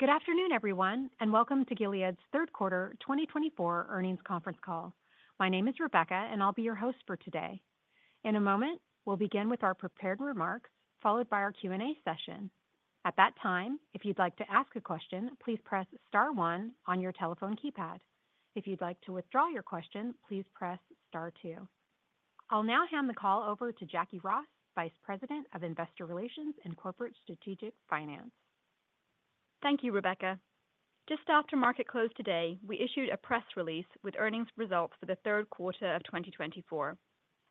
Good afternoon, everyone, and welcome to Gilead's third quarter 2024 earnings conference call. My name is Rebecca, and I'll be your host for today. In a moment, we'll begin with our prepared remarks, followed by our Q&A session. At that time, if you'd like to ask a question, please press star one on your telephone keypad. If you'd like to withdraw your question, please press star two. I'll now hand the call over to Jacquie Ross, Vice President of Investor Relations and Corporate Strategic Finance. Thank you, Rebecca. Just after market close today, we issued a press release with earnings results for the third quarter of 2024.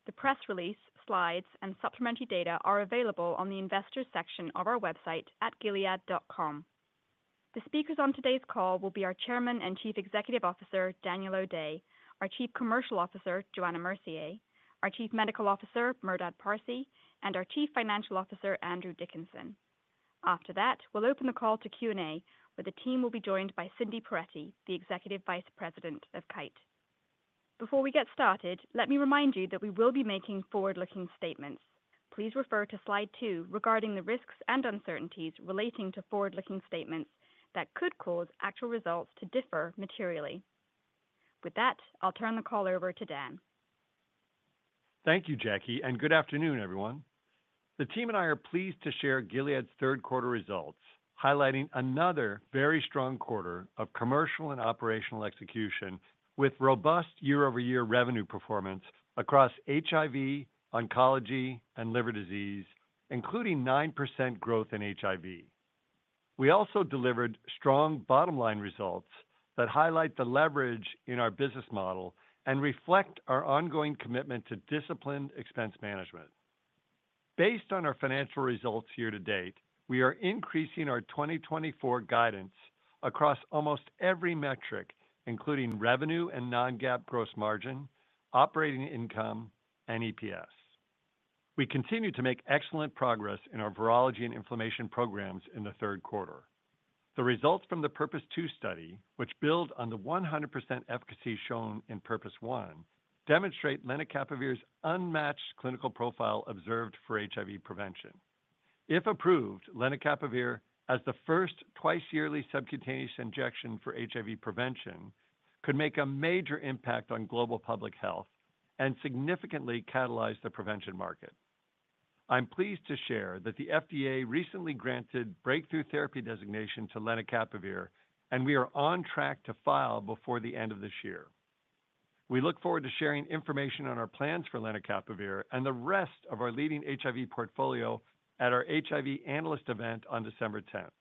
The press release, slides, and supplementary data are available on the Investors section of our website at gilead.com. The speakers on today's call will be our Chairman and Chief Executive Officer, Daniel O'Day, our Chief Commercial Officer, Johanna Mercier, our Chief Medical Officer, Merdad Parsey, and our Chief Financial Officer, Andrew Dickinson. After that, we'll open the call to Q&A, where the team will be joined by Cindy Perettie, the Executive Vice President of Kite. Before we get started, let me remind you that we will be making forward-looking statements. Please refer to slide two regarding the risks and uncertainties relating to forward-looking statements that could cause actual results to differ materially. With that, I'll turn the call over to Dan. Thank you, Jacquie, and good afternoon, everyone. The team and I are pleased to share Gilead's third quarter results, highlighting another very strong quarter of commercial and operational execution with robust year-over-year revenue performance across HIV, oncology, and liver disease, including 9% growth in HIV. We also delivered strong bottom-line results that highlight the leverage in our business model and reflect our ongoing commitment to disciplined expense management. Based on our financial results year to date, we are increasing our 2024 guidance across almost every metric, including revenue and non-GAAP gross margin, operating income, and EPS. We continue to make excellent progress in our virology and inflammation programs in the third quarter. The results from the PURPOSE 2 study, which build on the 100% efficacy shown in PURPOSE 1, demonstrate lenacapavir's unmatched clinical profile observed for HIV prevention. If approved, lenacapavir as the first twice-yearly subcutaneous injection for HIV prevention could make a major impact on global public health and significantly catalyze the prevention market. I'm pleased to share that the FDA recently granted breakthrough therapy designation to lenacapavir, and we are on track to file before the end of this year. We look forward to sharing information on our plans for lenacapavir and the rest of our leading HIV portfolio at our HIV Analyst event on December 10th.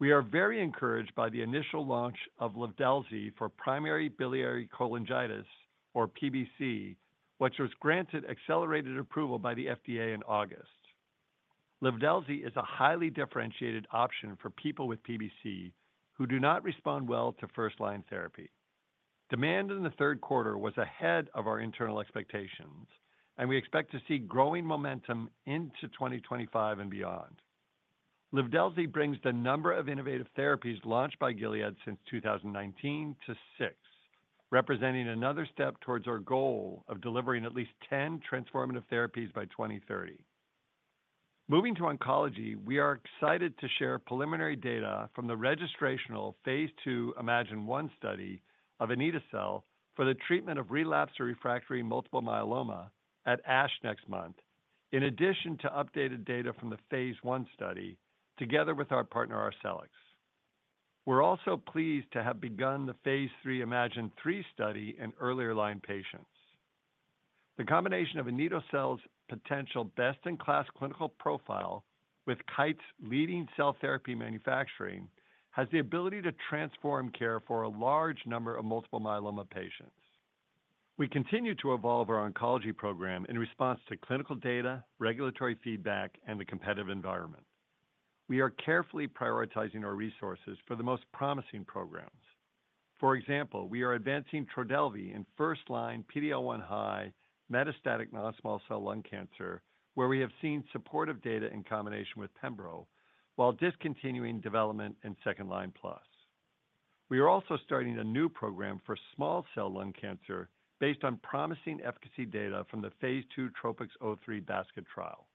We are very encouraged by the initial launch of Livdelzi for primary biliary cholangitis, or PBC, which was granted accelerated approval by the FDA in August. Livdelzi is a highly differentiated option for people with PBC who do not respond well to first-line therapy. Demand in the third quarter was ahead of our internal expectations, and we expect to see growing momentum into 2025 and beyond. Livdelzi brings the number of innovative therapies launched by Gilead since 2019 to six, representing another step towards our goal of delivering at least 10 transformative therapies by 2030. Moving to oncology, we are excited to share preliminary data from the registrational phase 2 iMMagine-1 study of nito-cel for the treatment of relapsed or refractory multiple myeloma at ASH next month, in addition to updated data from the phase 1 study together with our partner, Arcelix. We're also pleased to have begun the phase 3 iMMagine-3 study in earlier line patients. The combination of anito-cel's potential best-in-class clinical profile with Kite's leading cell therapy manufacturing has the ability to transform care for a large number of multiple myeloma patients. We continue to evolve our oncology program in response to clinical data, regulatory feedback, and the competitive environment. We are carefully prioritizing our resources for the most promising programs. For example, we are advancing Trodelvy in first-line PD-L1 high metastatic non-small cell lung cancer, where we have seen supportive data in combination with Pembro, while discontinuing development in second-line plus. We are also starting a new program for small cell lung cancer based on promising efficacy data from the phase 2 TROPiCS-03 basket trial.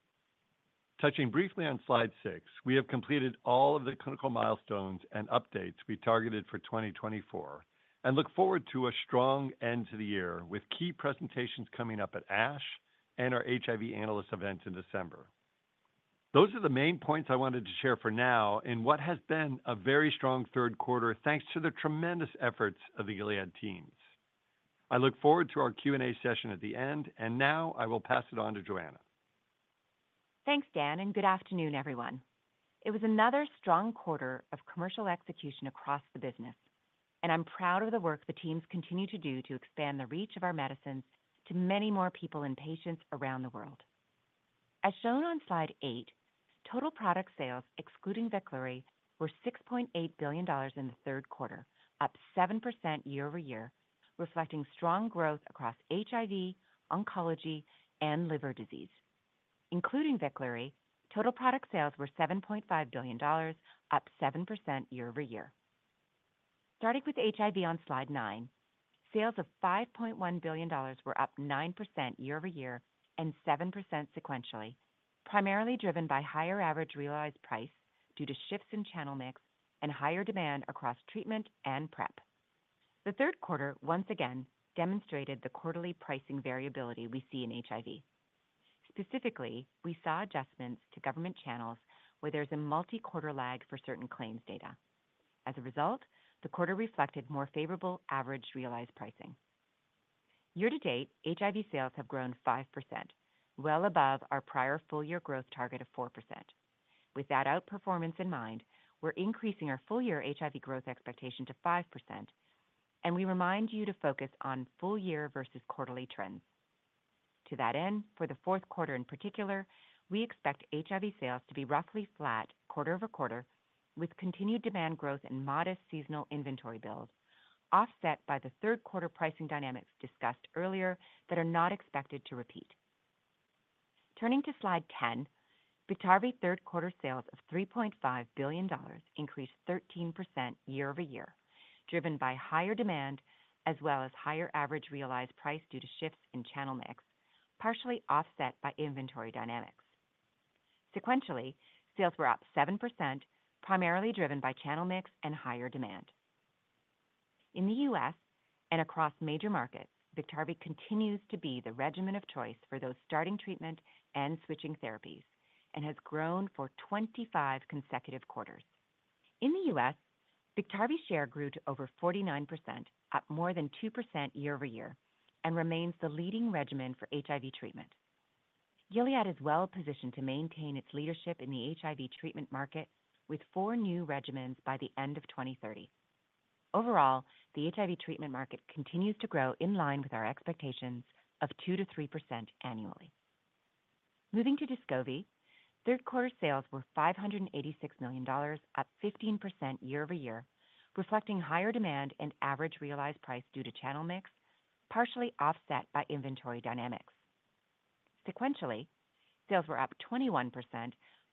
Touching briefly on slide six, we have completed all of the clinical milestones and updates we targeted for 2024 and look forward to a strong end to the year with key presentations coming up at ASH and our HIV Analyst event in December.Those are the main points I wanted to share for now in what has been a very strong third quarter thanks to the tremendous efforts of the Gilead teams. I look forward to our Q&A session at the end, and now I will pass it on to Johanna. Thanks, Dan, and good afternoon, everyone. It was another strong quarter of commercial execution across the business, and I'm proud of the work the teams continue to do to expand the reach of our medicines to many more people and patients around the world. As shown on slide eight, total product sales, excluding Veklury, were $6.8 billion in the third quarter, up 7% year over year, reflecting strong growth across HIV, oncology, and liver disease. Including Veklury, total product sales were $7.5 billion, up 7% year over year. Starting with HIV on slide nine, sales of $5.1 billion were up 9% year over year and 7% sequentially, primarily driven by higher average realized price due to shifts in channel mix and higher demand across treatment and PrEP. The third quarter, once again, demonstrated the quarterly pricing variability we see in HIV. Specifically, we saw adjustments to government channels where there's a multi-quarter lag for certain claims data. As a result, the quarter reflected more favorable average realized pricing. Year to date, HIV sales have grown 5%, well above our prior full-year growth target of 4%. With that outperformance in mind, we're increasing our full-year HIV growth expectation to 5%, and we remind you to focus on full-year versus quarterly trends. To that end, for the fourth quarter in particular, we expect HIV sales to be roughly flat quarter over quarter, with continued demand growth and modest seasonal inventory build, offset by the third quarter pricing dynamics discussed earlier that are not expected to repeat. Turning to slide 10, Biktarvy third quarter sales of $3.5 billion increased 13% year over year, driven by higher demand as well as higher average realized price due to shifts in channel mix, partially offset by inventory dynamics. Sequentially, sales were up 7%, primarily driven by channel mix and higher demand. In the U.S. and across major markets, Biktarvy continues to be the regimen of choice for those starting treatment and switching therapies and has grown for 25 consecutive quarters. In the U.S., Biktarvy's share grew to over 49%, up more than 2% year over year, and remains the leading regimen for HIV treatment. Gilead is well positioned to maintain its leadership in the HIV treatment market with four new regimens by the end of 2030. Overall, the HIV treatment market continues to grow in line with our expectations of 2%-3% annually. Moving to Descovy, third quarter sales were $586 million, up 15% year over year, reflecting higher demand and average realized price due to channel mix, partially offset by inventory dynamics. Sequentially, sales were up 21%,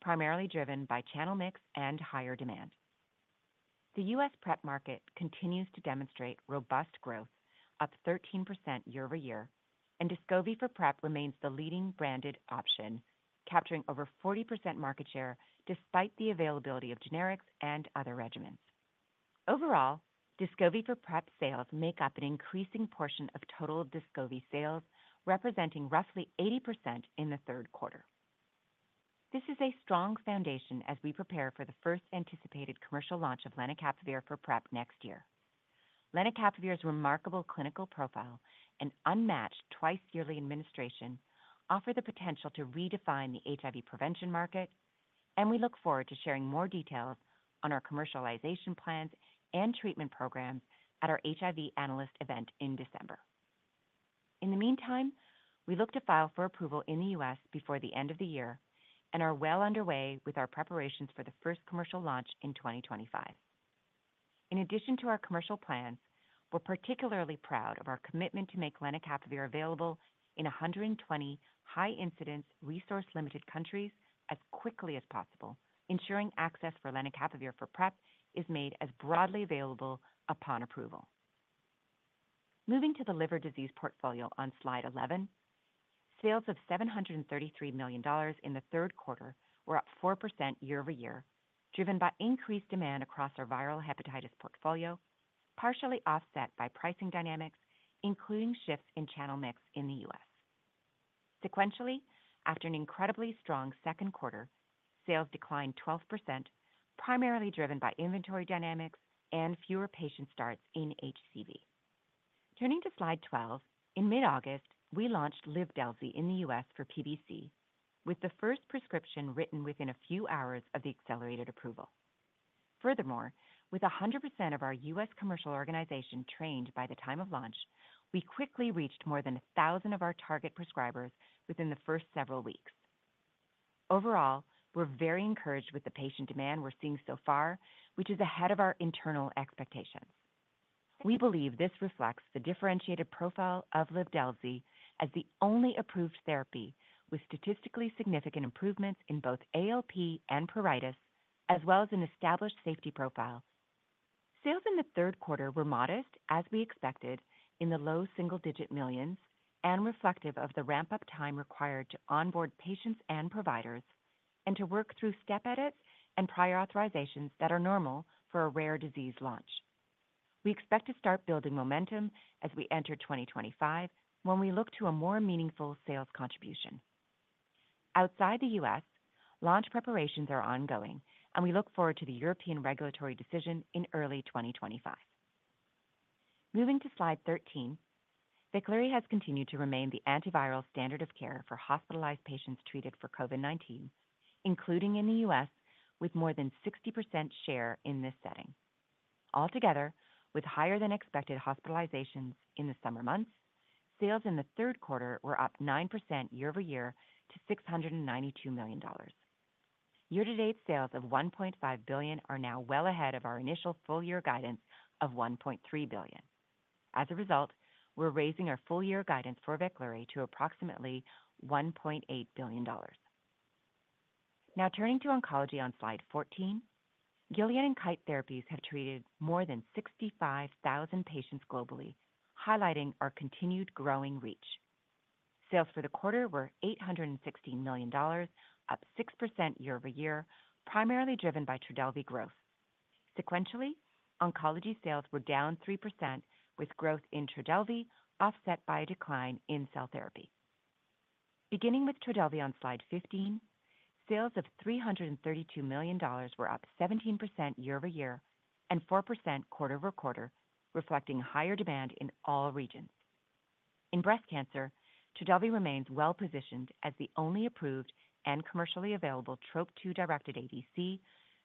primarily driven by channel mix and higher demand. The U.S. PrEP market continues to demonstrate robust growth, up 13% year over year, and Descovy for PrEP remains the leading branded option, capturing over 40% market share despite the availability of generics and other regimens. Overall, Descovy for PrEP sales make up an increasing portion of total Descovy sales, representing roughly 80% in the third quarter. This is a strong foundation as we prepare for the first anticipated commercial launch of lenacapavir for PrEP next year. Lenacapavir's remarkable clinical profile and unmatched twice-yearly administration offer the potential to redefine the HIV prevention market, and we look forward to sharing more details on our commercialization plans and treatment programs at our HIV Analyst event in December. In the meantime, we look to file for approval in the U.S. before the end of the year and are well underway with our preparations for the first commercial launch in 2025. In addition to our commercial plans, we're particularly proud of our commitment to make lenacapavir available in 120 high-incidence, resource-limited countries as quickly as possible, ensuring access for lenacapavir for PrEP is made as broadly available upon approval. Moving to the liver disease portfolio on slide 11, sales of $733 million in the third quarter were up 4% year over year, driven by increased demand across our viral hepatitis portfolio, partially offset by pricing dynamics, including shifts in channel mix in the U.S. Sequentially, after an incredibly strong second quarter, sales declined 12%, primarily driven by inventory dynamics and fewer patient starts in HCV. Turning to slide 12, in mid-August, we launched Livdelzi in the U.S. for PBC, with the first prescription written within a few hours of the accelerated approval. Furthermore, with 100% of our U.S. commercial organization trained by the time of launch, we quickly reached more than 1,000 of our target prescribers within the first several weeks. Overall, we're very encouraged with the patient demand we're seeing so far, which is ahead of our internal expectations. We believe this reflects the differentiated profile of Livdelzi as the only approved therapy with statistically significant improvements in both ALP and pruritus, as well as an established safety profile. Sales in the third quarter were modest, as we expected, in the low single-digit millions and reflective of the ramp-up time required to onboard patients and providers and to work through step edits and prior authorizations that are normal for a rare disease launch. We expect to start building momentum as we enter 2025, when we look to a more meaningful sales contribution. Outside the U.S., launch preparations are ongoing, and we look forward to the European regulatory decision in early 2025. Moving to slide 13, Veklury has continued to remain the antiviral standard of care for hospitalized patients treated for COVID-19, including in the U.S., with more than 60% share in this setting. Altogether, with higher-than-expected hospitalizations in the summer months, sales in the third quarter were up 9% year over year to $692 million. Year-to-date sales of $1.5 billion are now well ahead of our initial full-year guidance of $1.3 billion. As a result, we're raising our full-year guidance for Biktarvy to approximately $1.8 billion. Now, turning to oncology on slide 14, Gilead and Kite therapies have treated more than 65,000 patients globally, highlighting our continued growing reach. Sales for the quarter were $816 million, up 6% year over year, primarily driven by Trodelvy growth. Sequentially, oncology sales were down 3%, with growth in Trodelvy, offset by a decline in cell therapy. Beginning with Trodelvy on slide 15, sales of $332 million were up 17% year over year and 4% quarter over quarter, reflecting higher demand in all regions. In breast cancer, Trodelvy remains well positioned as the only approved and commercially available TROP-2 directed ADC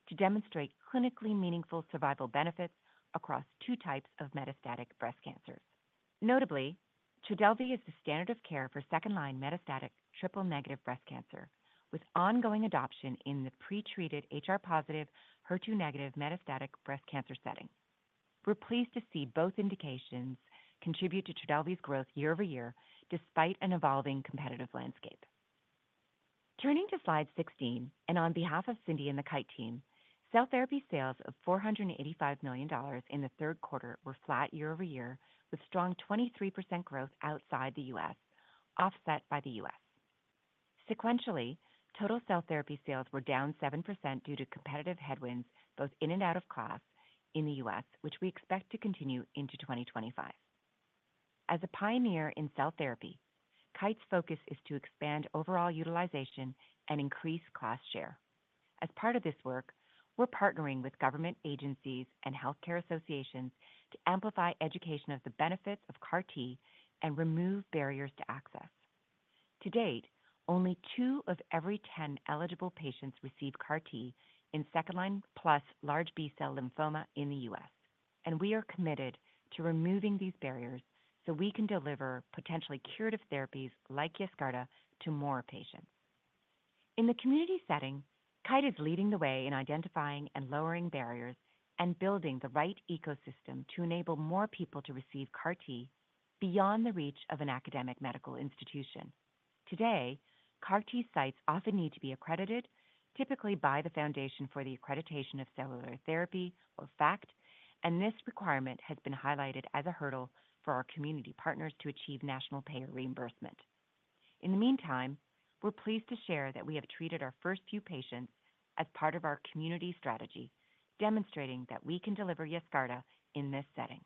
to demonstrate clinically meaningful survival benefits across two types of metastatic breast cancers. Notably, Trodelvy is the standard of care for second-line metastatic triple-negative breast cancer, with ongoing adoption in the pretreated HR-positive, HER2-negative metastatic breast cancer setting. We're pleased to see both indications contribute to Trodelvy's growth year over year, despite an evolving competitive landscape. Turning to slide 16, and on behalf of Cindy and the Kite team, cell therapy sales of $485 million in the third quarter were flat year over year, with strong 23% growth outside the U.S., offset by the U.S. Sequentially, total cell therapy sales were down 7% due to competitive headwinds both in and out of class in the U.S., which we expect to continue into 2025. As a pioneer in cell therapy, Kite's focus is to expand overall utilization and increase cost share. As part of this work, we're partnering with government agencies and healthcare associations to amplify education of the benefits of CAR-T and remove barriers to access. To date, only two of every 10 eligible patients receive CAR-T in second-line plus Large B-Cell Lymphoma in the U.S., and we are committed to removing these barriers so we can deliver potentially curative therapies like Yescarta to more patients. In the community setting, Kite is leading the way in identifying and lowering barriers and building the right ecosystem to enable more people to receive CAR-T beyond the reach of an academic medical institution. Today, CAR-T sites often need to be accredited, typically by the Foundation for the Accreditation of Cellular Therapy or FACT, and this requirement has been highlighted as a hurdle for our community partners to achieve national payer reimbursement. In the meantime, we're pleased to share that we have treated our first few patients as part of our community strategy, demonstrating that we can deliver Yescarta in this setting.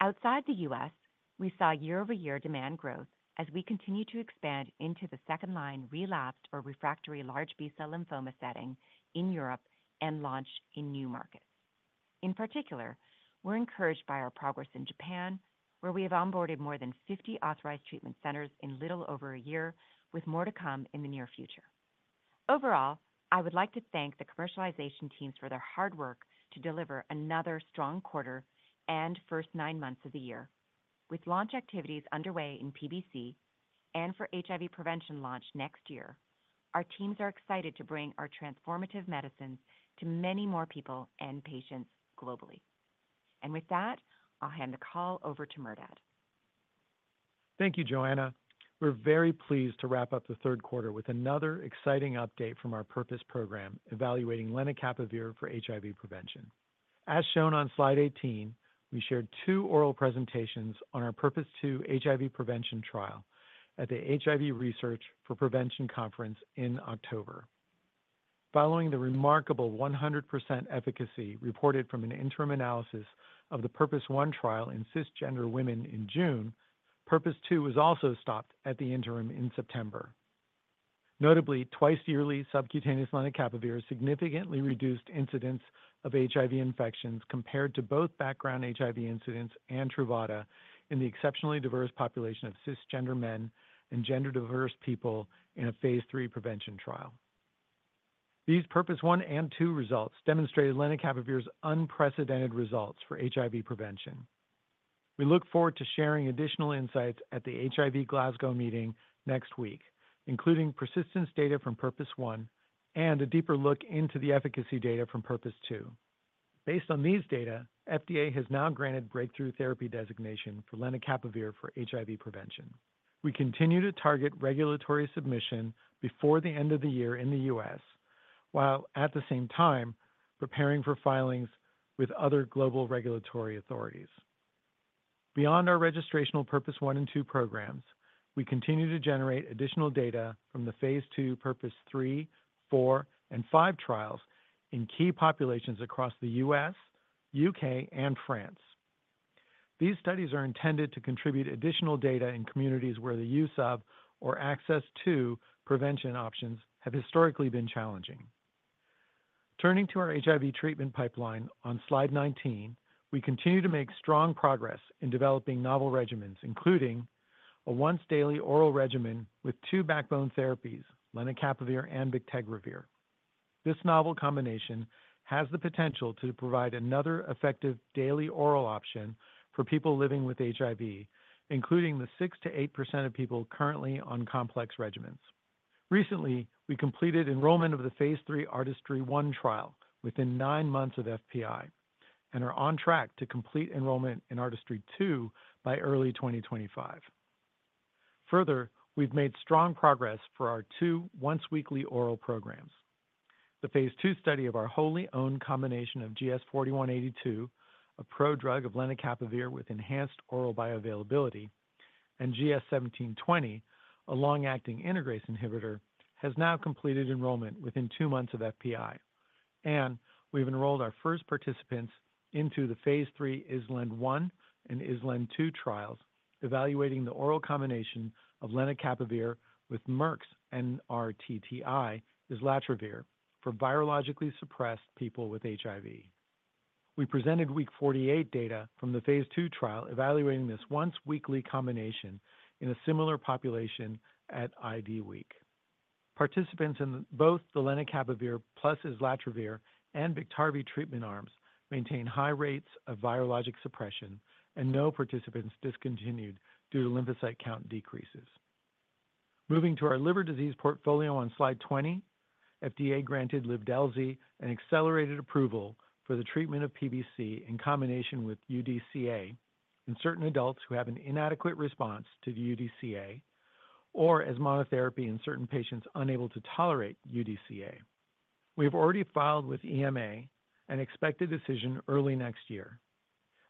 Outside the U.S., we saw year-over-year demand growth as we continue to expand into the second-line relapsed or refractory Large B-Cell Lymphoma setting in Europe and launch in new markets. In particular, we're encouraged by our progress in Japan, where we have onboarded more than 50 authorized treatment centers in little over a year, with more to come in the near future. Overall, I would like to thank the commercialization teams for their hard work to deliver another strong quarter and first nine months of the year. With launch activities underway in PBC and for HIV prevention launch next year, our teams are excited to bring our transformative medicines to many more people and patients globally. And with that, I'll hand the call over to Merdad. Thank you, Johanna. We're very pleased to wrap up the third quarter with another exciting update from our Purpose program evaluating lenacapavir for HIV prevention. As shown on slide 18, we shared two oral presentations on our Purpose 2 HIV prevention trial at the HIV Research for Prevention Conference in October. Following the remarkable 100% efficacy reported from an interim analysis of the Purpose 1 trial in cisgender women in June, Purpose 2 was also stopped at the interim in September. Notably, twice-yearly subcutaneous lenacapavir significantly reduced incidence of HIV infections compared to both background HIV incidence and Truvada in the exceptionally diverse population of cisgender men and gender-diverse people in a phase 3 prevention trial. These Purpose 1 and 2 results demonstrate lenacapavir's unprecedented results for HIV prevention. We look forward to sharing additional insights at the HIV Glasgow meeting next week, including persistence data from Purpose 1 and a deeper look into the efficacy data from Purpose 2. Based on these data, FDA has now granted breakthrough therapy designation for lenacapavir for HIV prevention. We continue to target regulatory submission before the end of the year in the U.S., while at the same time preparing for filings with other global regulatory authorities. Beyond our registrational PURPOSE 1 and 2 programs, we continue to generate additional data from the phase 2 PURPOSE 3, 4, and 5 trials in key populations across the U.S., U.K., and France. These studies are intended to contribute additional data in communities where the use of or access to prevention options have historically been challenging. Turning to our HIV treatment pipeline on slide 19, we continue to make strong progress in developing novel regimens, including a once-daily oral regimen with two backbone therapies, lenacapavir and bictegravir. This novel combination has the potential to provide another effective daily oral option for people living with HIV, including the 6%-8% of people currently on complex regimens. Recently, we completed enrollment of the phase 3 ARTISTRY-1 trial within nine months of FPI and are on track to complete enrollment in ARTISTRY-2 by early 2025. Further, we've made strong progress for our two once-weekly oral programs. The phase 2 study of our wholly owned combination of GS4182, a prodrug of lenacapavir with enhanced oral bioavailability, and GS1720, a long-acting integrase inhibitor, has now completed enrollment within two months of FPI, and we've enrolled our first participants into the phase 3 ISLAND-1 and ISLAND-2 trials, evaluating the oral combination of lenacapavir with Merck's NRTTI, islatravir, for virologically suppressed people with HIV. We presented week 48 data from the phase 2 trial evaluating this once-weekly combination in a similar population at IDWeek. Participants in both the lenacapavir plus islatravir and Biktarvy treatment arms maintained high rates of virologic suppression, and no participants discontinued due to lymphocyte count decreases. Moving to our liver disease portfolio on slide 20, FDA granted Livdelzi accelerated approval for the treatment of PBC in combination with UDCA in certain adults who have an inadequate response to the UDCA or as monotherapy in certain patients unable to tolerate UDCA. We have already filed with EMA an expected decision early next year.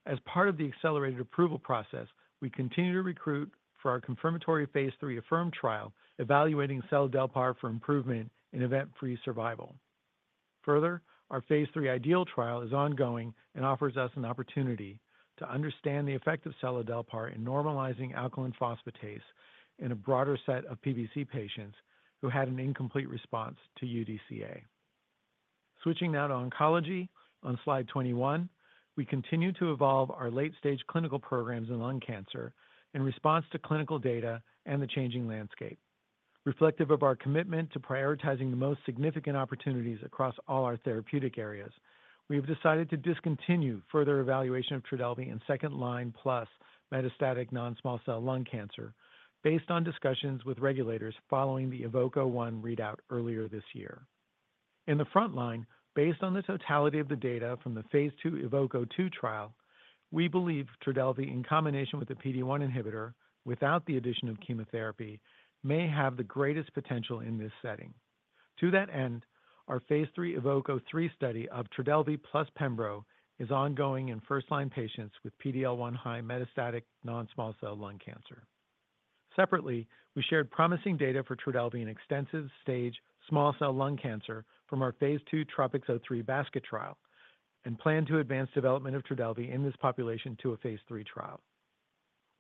As part of the accelerated approval process, we continue to recruit for our confirmatory phase 3 ASSERT trial evaluating seladelpar for improvement in event-free survival. Further, our phase 3 IDEAL trial is ongoing and offers us an opportunity to understand the effect of seladelpar in normalizing alkaline phosphatase in a broader set of PBC patients who had an incomplete response to UDCA. Switching now to oncology on slide 21, we continue to evolve our late-stage clinical programs in lung cancer in response to clinical data and the changing landscape. Reflective of our commitment to prioritizing the most significant opportunities across all our therapeutic areas, we have decided to discontinue further evaluation of Trodelvy in second-line plus metastatic non-small cell lung cancer based on discussions with regulators following the EVOKE-01 readout earlier this year. In the front line, based on the totality of the data from the phase 2 EVOKE-02 trial, we believe Trodelvy, in combination with a PD-1 inhibitor without the addition of chemotherapy, may have the greatest potential in this setting. To that end, our phase 3 EVOKE-03 study of Trodelvy plus Pembro is ongoing in first-line patients with PD-L1 high metastatic non-small cell lung cancer. Separately, we shared promising data for Trodelvy in extensive stage small cell lung cancer from our phase 2 TROPiCS-03 basket trial and plan to advance development of Trodelvy in this population to a phase 3 trial.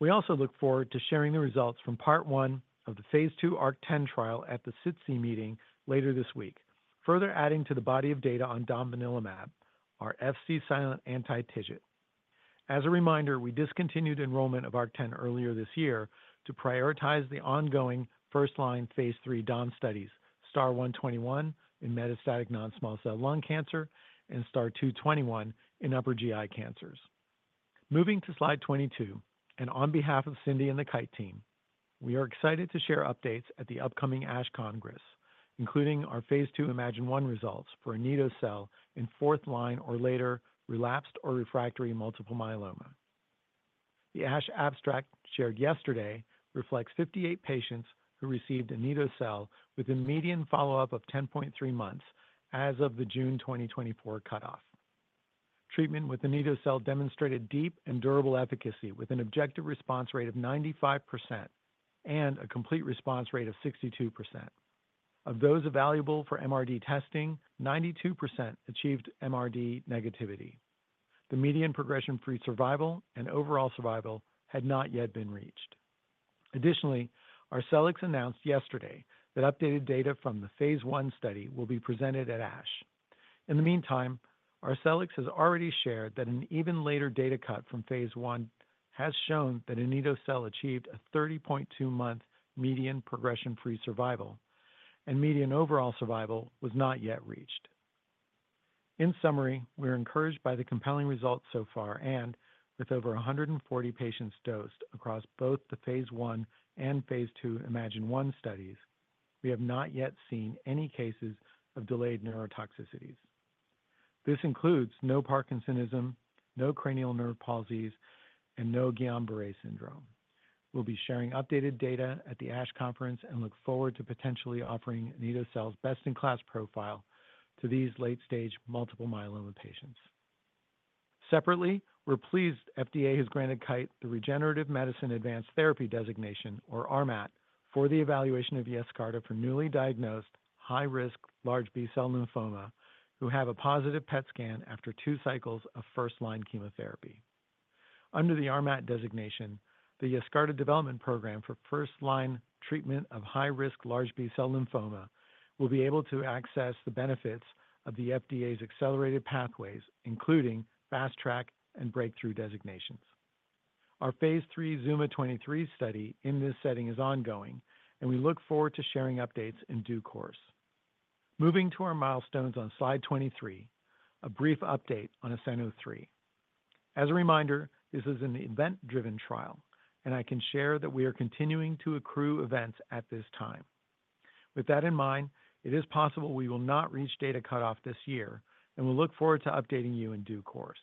We also look forward to sharing the results from part one of the phase 2 ARC-10 trial at the SITC meeting later this week, further adding to the body of data on domvanalimab, our Fc silent anti-TIGIT. As a reminder, we discontinued enrollment of ARC-10 earlier this year to prioritize the ongoing first-line phase 3 dom studies, STAR-121 in metastatic non-small cell lung cancer and STAR-221 in upper GI cancers. Moving to slide 22, and on behalf of Cindy and the Kite team, we are excited to share updates at the upcoming ASH Congress, including our phase 2 iMMagine-1 results for anito-cel in fourth-line or later relapsed or refractory multiple myeloma. The ASH abstract shared yesterday reflects 58 patients who received anito-cel with a median follow-up of 10.3 months as of the June 2024 cutoff. Treatment with anito-cel demonstrated deep and durable efficacy with an objective response rate of 95% and a complete response rate of 62%. Of those available for MRD testing, 92% achieved MRD negativity. The median progression-free survival and overall survival had not yet been reached. Additionally, Arcelix announced yesterday that updated data from the phase 1 study will be presented at ASH. In the meantime, Arcelix has already shared that an even later data cut from phase 1 has shown that anito-cel achieved a 30.2-month median progression-free survival, and median overall survival was not yet reached. In summary, we're encouraged by the compelling results so far, and with over 140 patients dosed across both the phase 1 and phase 2 iMMagine-1 studies, we have not yet seen any cases of delayed neurotoxicities. This includes no Parkinsonism, no cranial nerve palsies, and no Guillain-Barré syndrome. We'll be sharing updated data at the ASH Conference and look forward to potentially offering anito-cel's best-in-class profile to these late-stage multiple myeloma patients. Separately, we're pleased FDA has granted Kite the Regenerative Medicine Advanced Therapy designation, or RMAT, for the evaluation of Yescarta for newly diagnosed high-risk large B-cell lymphoma who have a positive PET scan after two cycles of first-line chemotherapy. Under the RMAT designation, the Yescarta development program for first-line treatment of high-risk large B-cell lymphoma will be able to access the benefits of the FDA's accelerated pathways, including fast track and breakthrough designations. Our phase 3 ZUMA-23 study in this setting is ongoing, and we look forward to sharing updates in due course. Moving to our milestones on slide 23, a brief update on ASCENT-03. As a reminder, this is an event-driven trial, and I can share that we are continuing to accrue events at this time. With that in mind, it is possible we will not reach data cutoff this year, and we'll look forward to updating you in due course.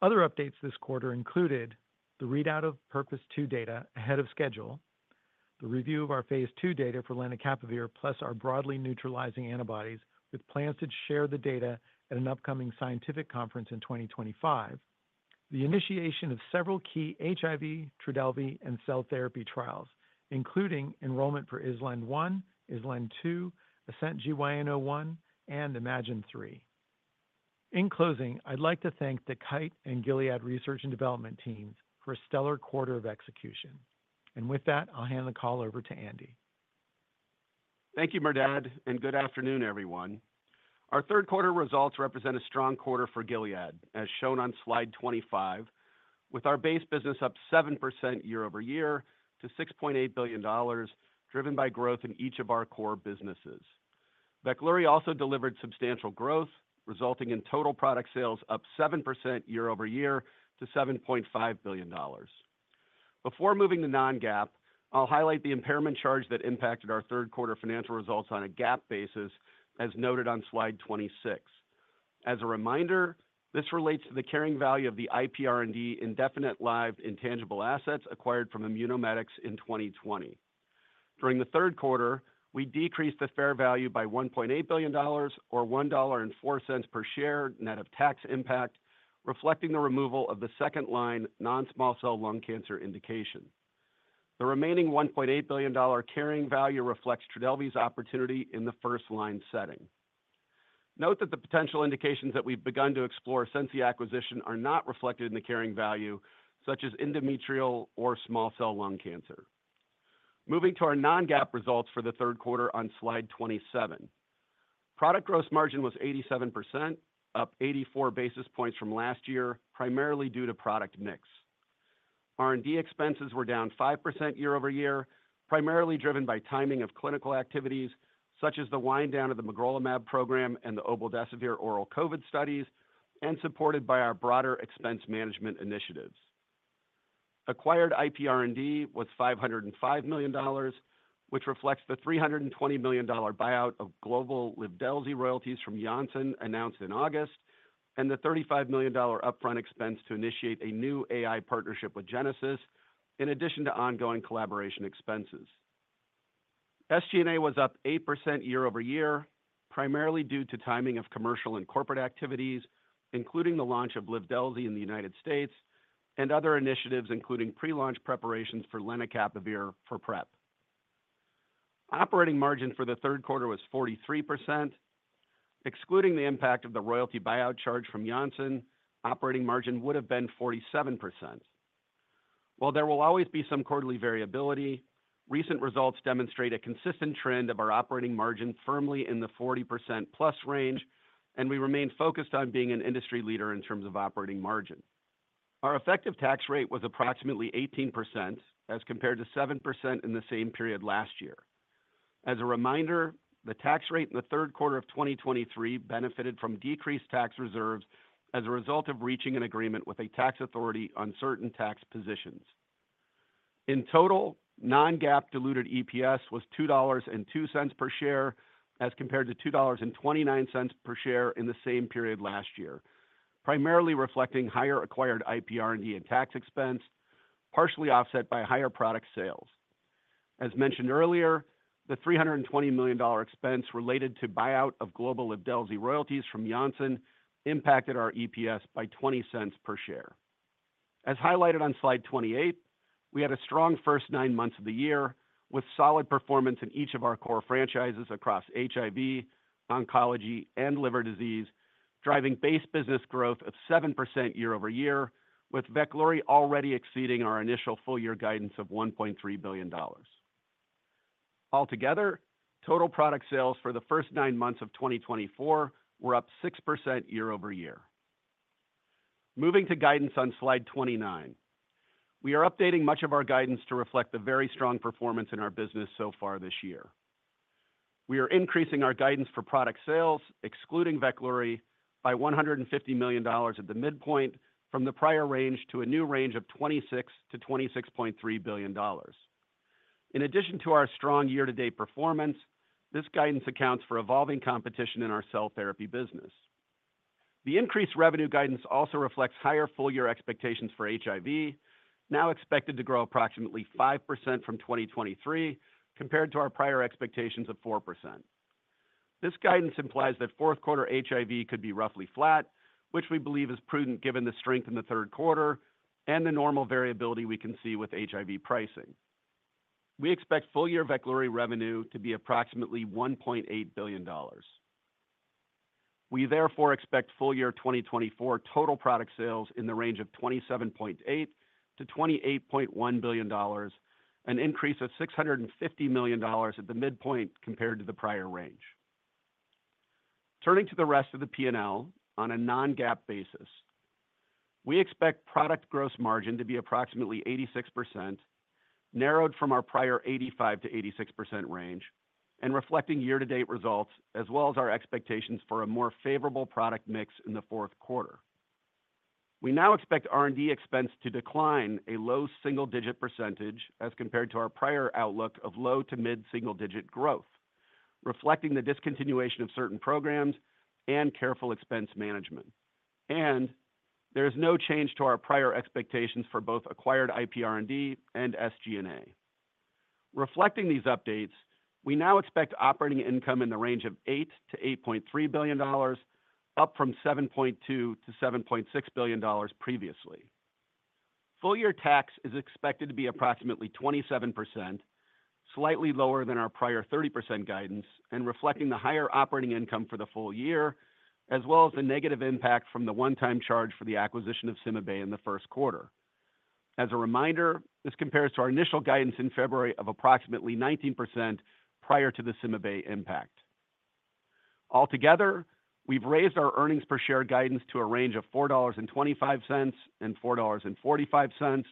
Other updates this quarter included the readout of PURPOSE 2 data ahead of schedule, the review of our phase 2 data for lenacapavir plus our broadly neutralizing antibodies with plans to share the data at an upcoming scientific conference in 2025, the initiation of several key HIV, Trodelvy, and cell therapy trials, including enrollment for ISLAND-1, ISLAND-2, ASCENT-GYN-01, and iMMagine-3. In closing, I'd like to thank the Kite and Gilead Research and Development teams for a stellar quarter of execution. And with that, I'll hand the call over to Andy. Thank you, Merdad, and good afternoon, everyone. Our third quarter results represent a strong quarter for Gilead, as shown on slide 25, with our base business up 7% year-over-year to $6.8 billion, driven by growth in each of our core businesses. Veklury also delivered substantial growth, resulting in total product sales up 7% year-over-year to $7.5 billion. Before moving to non-GAAP, I'll highlight the impairment charge that impacted our third quarter financial results on a GAAP basis, as noted on slide 26. As a reminder, this relates to the carrying value of the IPR&D indefinite-lived intangible assets acquired from Immunomedics in 2020. During the third quarter, we decreased the fair value by $1.8 billion, or $1.04 per share net of tax impact, reflecting the removal of the second-line Non-Small Cell Lung Cancer indication. The remaining $1.8 billion carrying value reflects Trodelvy's opportunity in the first-line setting. Note that the potential indications that we've begun to explore since the acquisition are not reflected in the carrying value, such as endometrial or small cell lung cancer. Moving to our non-GAAP results for the third quarter on slide 27. Product gross margin was 87%, up 84 basis points from last year, primarily due to product mix. R&D expenses were down 5% year-over-year, primarily driven by timing of clinical activities, such as the wind down of the magrolimab program and the obeldesivir oral COVID studies, and supported by our broader expense management initiatives. Acquired IPR&D was $505 million, which reflects the $320 million buyout of global Livdelzi royalties from Janssen, announced in August, and the $35 million upfront expense to initiate a new AI partnership with Genesis, in addition to ongoing collaboration expenses. SG&A was up 8% year-over-year, primarily due to timing of commercial and corporate activities, including the launch of Livdelzi in the United States, and other initiatives, including pre-launch preparations for lenacapavir for PrEP. Operating margin for the third quarter was 43%. Excluding the impact of the royalty buyout charge from Janssen, operating margin would have been 47%. While there will always be some quarterly variability, recent results demonstrate a consistent trend of our operating margin firmly in the 40% plus range, and we remain focused on being an industry leader in terms of operating margin. Our effective tax rate was approximately 18%, as compared to 7% in the same period last year. As a reminder, the tax rate in the third quarter of 2023 benefited from decreased tax reserves as a result of reaching an agreement with a tax authority on certain tax positions. In total, non-GAAP diluted EPS was $2.02 per share, as compared to $2.29 per share in the same period last year, primarily reflecting higher acquired IPR&D and tax expense, partially offset by higher product sales. As mentioned earlier, the $320 million expense related to buyout of global Livdelzi royalties from Janssen impacted our EPS by $0.20 per share. As highlighted on slide 28, we had a strong first nine months of the year with solid performance in each of our core franchises across HIV, oncology, and liver disease, driving base business growth of 7% year-over-year, with Veklury already exceeding our initial full-year guidance of $1.3 billion. Altogether, total product sales for the first nine months of 2024 were up 6% year-over-year. Moving to guidance on slide 29, we are updating much of our guidance to reflect the very strong performance in our business so far this year. We are increasing our guidance for product sales, excluding Veklury, by $150 million at the midpoint from the prior range to a new range of $26-$26.3 billion. In addition to our strong year-to-date performance, this guidance accounts for evolving competition in our cell therapy business. The increased revenue guidance also reflects higher full-year expectations for HIV, now expected to grow approximately 5% from 2023, compared to our prior expectations of 4%. This guidance implies that fourth quarter HIV could be roughly flat, which we believe is prudent given the strength in the third quarter and the normal variability we can see with HIV pricing. We expect full-year Veklury revenue to be approximately $1.8 billion. We therefore expect full-year 2024 total product sales in the range of $27.8-$28.1 billion, an increase of $650 million at the midpoint compared to the prior range. Turning to the rest of the P&L on a non-GAAP basis, we expect product gross margin to be approximately 86%, narrowed from our prior 85%-86% range, and reflecting year-to-date results, as well as our expectations for a more favorable product mix in the fourth quarter. We now expect R&D expense to decline a low single-digit percentage as compared to our prior outlook of low to mid-single-digit growth, reflecting the discontinuation of certain programs and careful expense management, and there is no change to our prior expectations for both acquired IPR&D and SG&A. Reflecting these updates, we now expect operating income in the range of $8-$8.3 billion, up from $7.2-$7.6 billion previously. Full-year tax is expected to be approximately 27%, slightly lower than our prior 30% guidance, and reflecting the higher operating income for the full year, as well as the negative impact from the one-time charge for the acquisition of CymaBay in the first quarter. As a reminder, this compares to our initial guidance in February of approximately 19% prior to the CymaBay impact. Altogether, we've raised our earnings per share guidance to a range of $4.25-$4.45.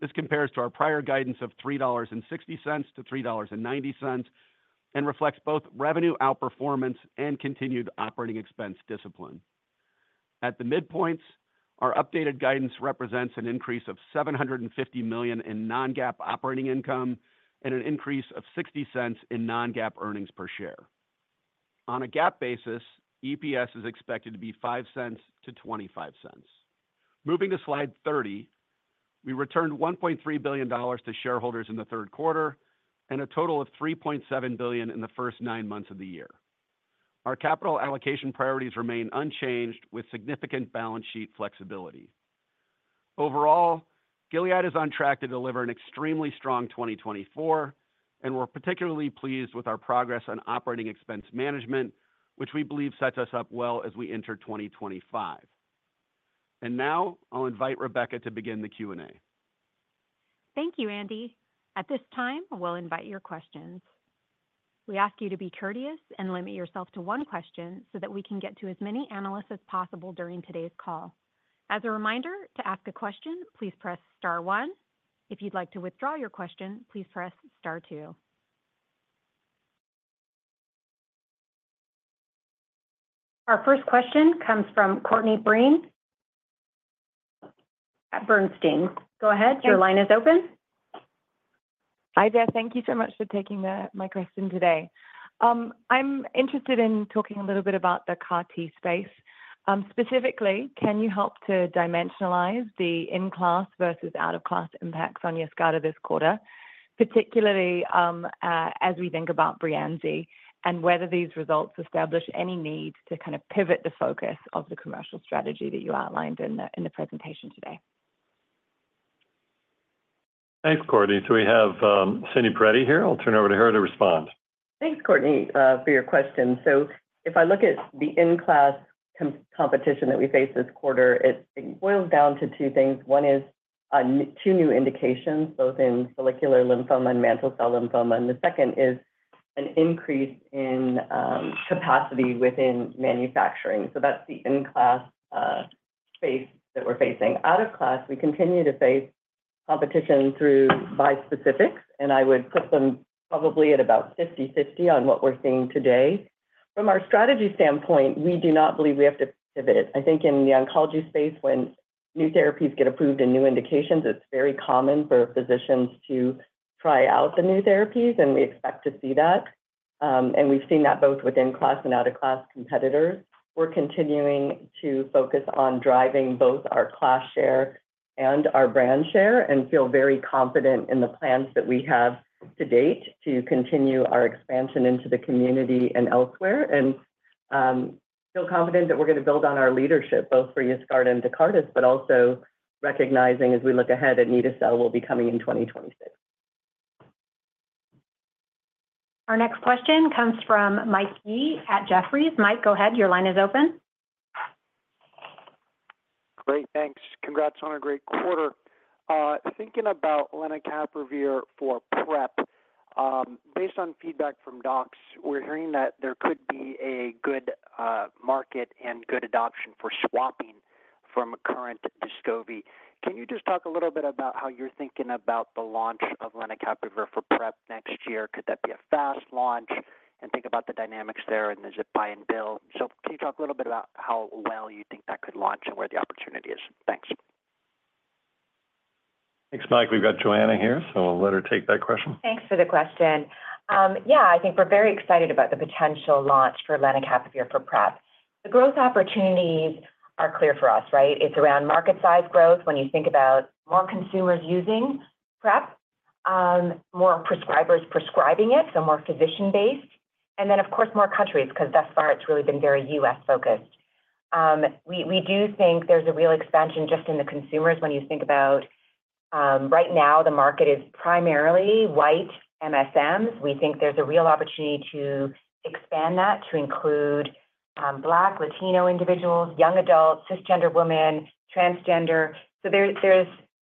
This compares to our prior guidance of $3.60-$3.90 and reflects both revenue outperformance and continued operating expense discipline. At the midpoints, our updated guidance represents an increase of $750 million in non-GAAP operating income and an increase of $0.60 in non-GAAP earnings per share. On a GAAP basis, EPS is expected to be $0.05-$0.25. Moving to slide 30, we returned $1.3 billion to shareholders in the third quarter and a total of $3.7 billion in the first nine months of the year. Our capital allocation priorities remain unchanged, with significant balance sheet flexibility. Overall, Gilead is on track to deliver an extremely strong 2024, and we're particularly pleased with our progress on operating expense management, which we believe sets us up well as we enter 2025. And now I'll invite Rebecca to begin the Q&A. Thank you, Andy. At this time, we'll invite your questions. We ask you to be courteous and limit yourself to one question so that we can get to as many analysts as possible during today's call. As a reminder, to ask a question, please press Star 1. If you'd like to withdraw your question, please press Star 2. Our first question comes from Courtney Breen at Bernstein. Go ahead. Your line is open. Hi there. Thank you so much for taking my question today. I'm interested in talking a little bit about the CAR-T space. Specifically, can you help to dimensionalize the in-class versus out-of-class impacts on Yescarta this quarter, particularly as we think about Breyanzi and whether these results establish any need to kind of pivot the focus of the commercial strategy that you outlined in the presentation today? Thanks, Courtney. So we have Cindy Peretti here. I'll turn it over to her to respond. Thanks, Courtney, for your question. So if I look at the in-class competition that we face this quarter, it boils down to two things. One is two new indications, both in follicular lymphoma and mantle cell lymphoma. And the second is an increase in capacity within manufacturing. So that's the in-class space that we're facing. Out-of-class, we continue to face competition through bispecifics, and I would put them probably at about 50-50 on what we're seeing today. From our strategy standpoint, we do not believe we have to pivot. I think in the oncology space, when new therapies get approved and new indications, it's very common for physicians to try out the new therapies, and we expect to see that, and we've seen that both with in-class and out-of-class competitors. We're continuing to focus on driving both our class share and our brand share and feel very confident in the plans that we have to date to continue our expansion into the community and elsewhere, and feel confident that we're going to build on our leadership, both for Yescarta and Tecartus, but also recognizing, as we look ahead, that anito-cel will be coming in 2026. Our next question comes from Mike Yee at Jefferies. Mike, go ahead. Your line is open. Great. Thanks. Congrats on a great quarter. Thinking about lenacapavir for PrEP, based on feedback from docs, we're hearing that there could be a good market and good adoption for swapping from a current Descovy. Can you just talk a little bit about how you're thinking about the launch of lenacapavir for PrEP next year? Could that be a fast launch? And think about the dynamics there and the payer and the bill. So can you talk a little bit about how well you think that could launch and where the opportunity is? Thanks. Thanks, Mike. We've got Johanna here, so I'll let her take that question. Thanks for the question. Yeah, I think we're very excited about the potential launch for lenacapavir for PrEP. The growth opportunities are clear for us, right? It's around market size growth when you think about more consumers using PrEP, more prescribers prescribing it, so more physician-based. And then, of course, more countries, because thus far it's really been very U.S.-focused. We do think there's a real expansion just in the consumers when you think about right now the market is primarily white MSMs. We think there's a real opportunity to expand that to include Black, Latino individuals, young adults, cisgender women, transgender. So there's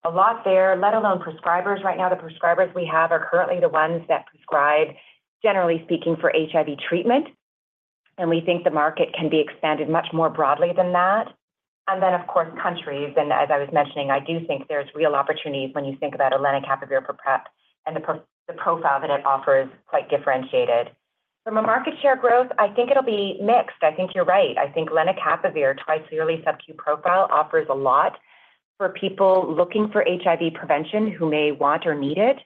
a lot there, let alone prescribers. Right now, the prescribers we have are currently the ones that prescribe, generally speaking, for HIV treatment. And we think the market can be expanded much more broadly than that. And then, of course, countries. And as I was mentioning, I do think there's real opportunities when you think about a lenacapavir for PrEP, and the profile that it offers is quite differentiated. From a market share growth, I think it'll be mixed. I think you're right. I think lenacapavir, twice yearly sub-q profile, offers a lot for people looking for HIV prevention who may want or need it.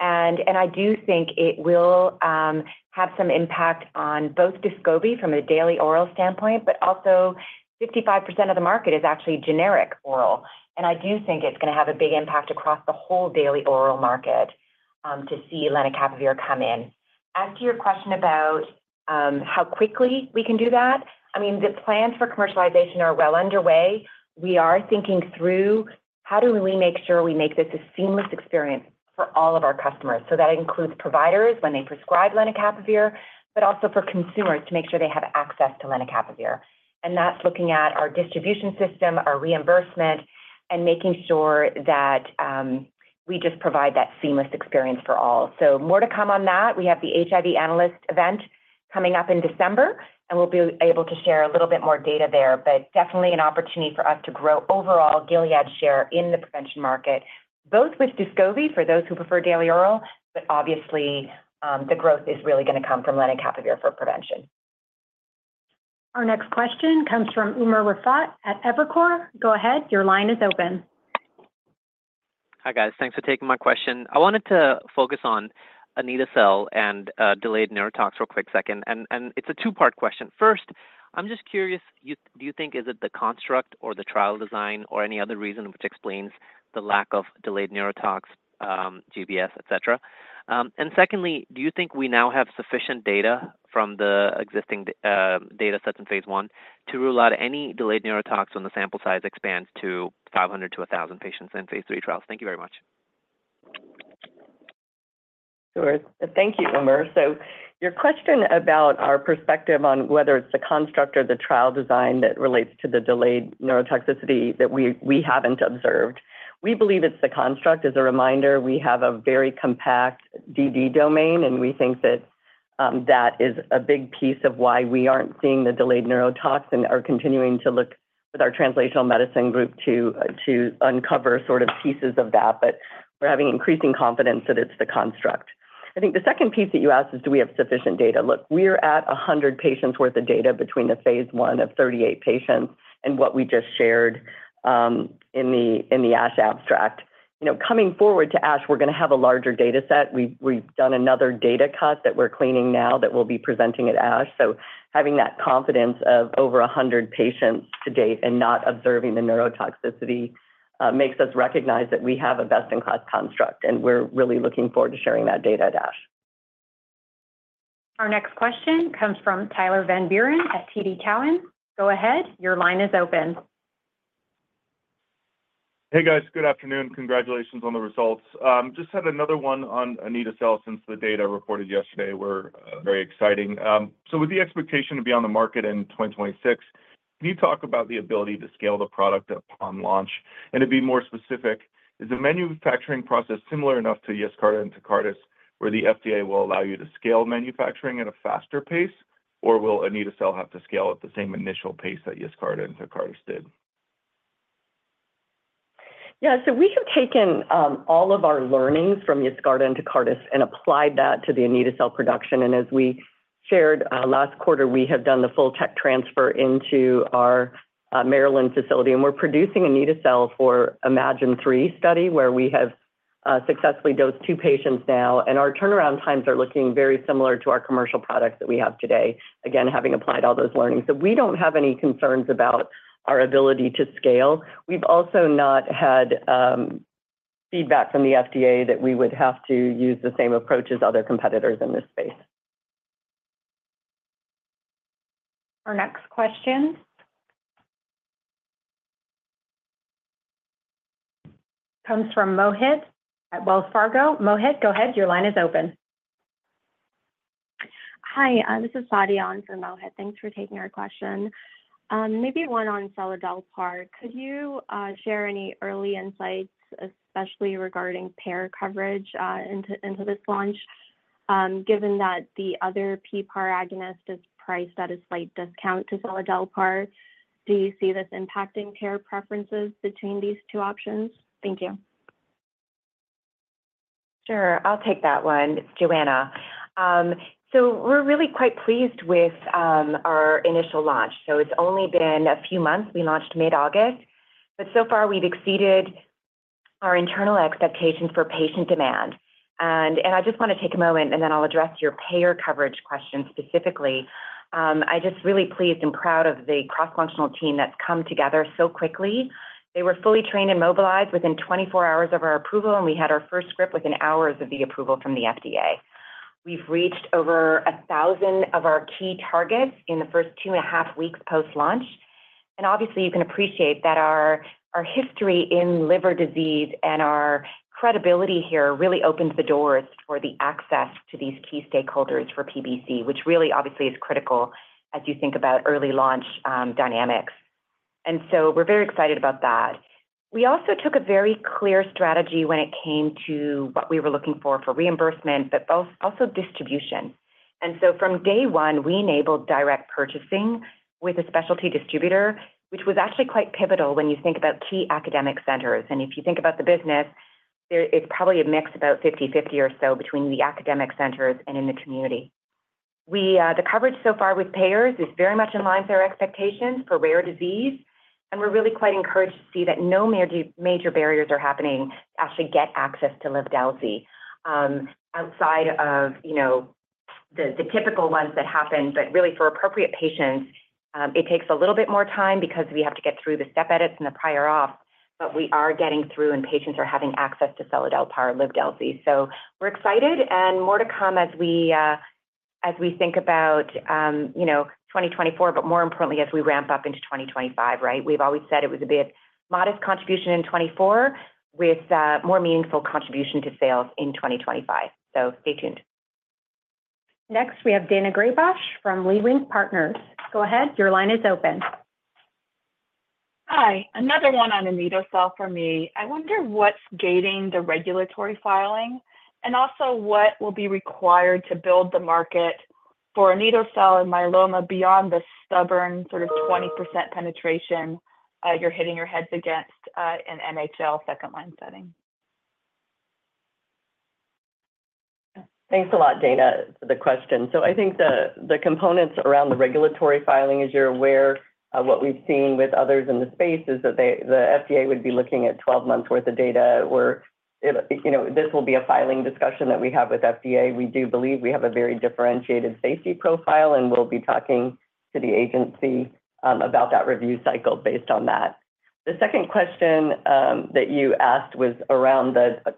And I do think it will have some impact on both Descovy from a daily oral standpoint, but also 55% of the market is actually generic oral. And I do think it's going to have a big impact across the whole daily oral market to see lenacapavir come in. As to your question about how quickly we can do that, I mean, the plans for commercialization are well underway. We are thinking through how do we make sure we make this a seamless experience for all of our customers. So that includes providers when they prescribe lenacapavir, but also for consumers to make sure they have access to lenacapavir. And that's looking at our distribution system, our reimbursement, and making sure that we just provide that seamless experience for all. So more to come on that. We have the HIV analyst event coming up in December, and we'll be able to share a little bit more data there, but definitely an opportunity for us to grow overall Gilead share in the prevention market, both with Descovy for those who prefer daily oral, but obviously the growth is really going to come from lenacapavir for prevention. Our next question comes from Umer Raffat at Evercore. Go ahead. Your line is open. Hi guys. Thanks for taking my question. I wanted to focus on anito-cel and delayed neurotox for a quick second. And it's a two-part question. First, I'm just curious, do you think is it the construct or the trial design or any other reason which explains the lack of delayed neurotox, GBS, etc.? And secondly, do you think we now have sufficient data from the existing data sets in phase 1 to rule out any delayed neurotox when the sample size expands to 500-1,000 patients in phase 3 trials? Thank you very much. Sure. Thank you, Umer. So your question about our perspective on whether it's the construct or the trial design that relates to the delayed neurotoxicity that we haven't observed, we believe it's the construct. As a reminder, we have a very compact DD domain, and we think that that is a big piece of why we aren't seeing the delayed neurotox and are continuing to look with our translational medicine group to uncover sort of pieces of that. But we're having increasing confidence that it's the construct. I think the second piece that you asked is, do we have sufficient data? Look, we're at 100 patients' worth of data between the phase one of 38 patients and what we just shared in the ASH abstract. Coming forward to ASH, we're going to have a larger data set. We've done another data cut that we're cleaning now that we'll be presenting at ASH. So having that confidence of over 100 patients to date and not observing the neurotoxicity makes us recognize that we have a best-in-class construct, and we're really looking forward to sharing that data at ASH. Our next question comes from Tyler Van Buren at TD Cowen. Go ahead. Your line is open. Hey guys, good afternoon. Congratulations on the results. Just had another one on anito-cel since the data reported yesterday. We're very excited. With the expectation to be on the market in 2026, can you talk about the ability to scale the product upon launch? And to be more specific, is the manufacturing process similar enough to Yescarta and Tecartus, where the FDA will allow you to scale manufacturing at a faster pace, or will anito-cel have to scale at the same initial pace that Yescarta and Tecartus did? Yeah. So we have taken all of our learnings from Yescarta and Tecartus and applied that to the anito-cel production. And as we shared last quarter, we have done the full tech transfer into our Maryland facility. And we're producing an anito-cel for iMMagine-3 study, where we have successfully dosed two patients now. And our turnaround times are looking very similar to our commercial products that we have today, again, having applied all those learnings. So we don't have any concerns about our ability to scale. We've also not had feedback from the FDA that we would have to use the same approach as other competitors in this space. Our next question comes from Mohit at Wells Fargo. Mohit, go ahead. Your line is open. Hi. This is Fadian from Mohit. Thanks for taking our question. Maybe one on seladelpar. Could you share any early insights, especially regarding payer coverage into this launch, given that the other PPAR agonist is priced at a slight discount to seladelpar? Do you see this impacting care preferences between these two options? Thank you. Sure. I'll take that one, Johanna. So we're really quite pleased with our initial launch. So it's only been a few months. We launched mid-August. But so far, we've exceeded our internal expectations for patient demand. I just want to take a moment, and then I'll address your payer coverage question specifically. I'm just really pleased and proud of the cross-functional team that's come together so quickly. They were fully trained and mobilized within 24 hours of our approval, and we had our first script within hours of the approval from the FDA. We've reached over 1,000 of our key targets in the first two and a half weeks post-launch. And obviously, you can appreciate that our history in liver disease and our credibility here really opens the doors for the access to these key stakeholders for PBC, which really obviously is critical as you think about early launch dynamics. And so we're very excited about that. We also took a very clear strategy when it came to what we were looking for for reimbursement, but also distribution. And so from day one, we enabled direct purchasing with a specialty distributor, which was actually quite pivotal when you think about key academic centers. And if you think about the business, it's probably a mix about 50-50 or so between the academic centers and in the community. The coverage so far with payers is very much in line with our expectations for rare disease. And we're really quite encouraged to see that no major barriers are happening to actually get access to Livdelzi outside of the typical ones that happen. But really, for appropriate patients, it takes a little bit more time because we have to get through the step edits and the prior auth, but we are getting through, and patients are having access to seladelpar or Livdelzi. We're excited, and more to come as we think about 2024, but more importantly, as we ramp up into 2025, right? We've always said it was a bit modest contribution in 2024 with more meaningful contribution to sales in 2025. So stay tuned. Next, we have Daina Graybosch from Leerink Partners. Go ahead. Your line is open. Hi. Another one on anito-cel for me. I wonder what's gating the regulatory filing and also what will be required to build the market for anito-cel and myeloma beyond the stubborn sort of 20% penetration you're hitting your heads against in MM second-line setting. Thanks a lot, Daina, for the question. So I think the components around the regulatory filing, as you're aware, what we've seen with others in the space is that the FDA would be looking at 12 months' worth of data. This will be a filing discussion that we have with FDA. We do believe we have a very differentiated safety profile, and we'll be talking to the agency about that review cycle based on that. The second question that you asked was around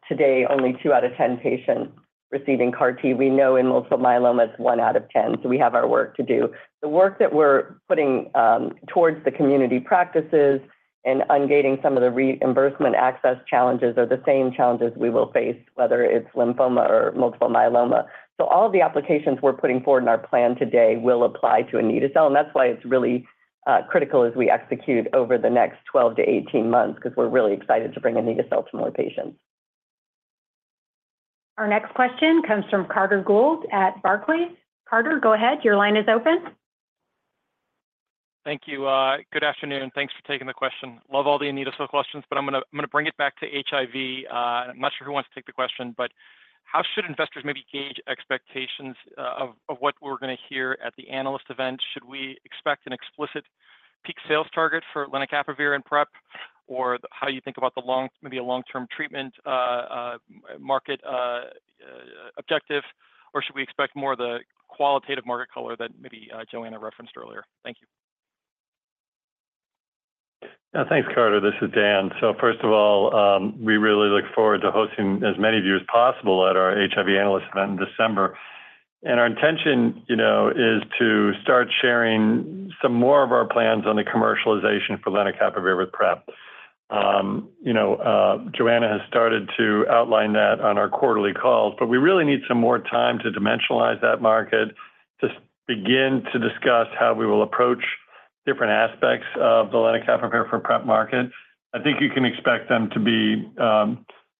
today, only two out of 10 patients receiving CAR-T. We know in multiple myeloma, it's one out of 10. So we have our work to do. The work that we're putting towards the community practices and ungating some of the reimbursement access challenges are the same challenges we will face, whether it's lymphoma or multiple myeloma. So all the applications we're putting forward in our plan today will apply to an anito-cel. And that's why it's really critical as we execute over the next 12 to 18 months, because we're really excited to bring an anito-cel to more patients. Our next question comes from Carter Gould at Barclays. Carter, go ahead. Your line is open. Thank you. Good afternoon. Thanks for taking the question. Love all the anito-cel questions, but I'm going to bring it back to HIV. I'm not sure who wants to take the question, but how should investors maybe gauge expectations of what we're going to hear at the analyst event? Should we expect an explicit peak sales target for lenacapavir and PrEP, or how do you think about maybe a long-term treatment market objective, or should we expect more of the qualitative market color that maybe Johanna referenced earlier? Thank you. Thanks, Carter. This is Dan. So first of all, we really look forward to hosting as many of you as possible at our HIV analyst event in December. Our intention is to start sharing some more of our plans on the commercialization for lenacapavir with PrEP. Johanna has started to outline that on our quarterly calls, but we really need some more time to dimensionalize that market, to begin to discuss how we will approach different aspects of the lenacapavir for PrEP market. I think you can expect them to be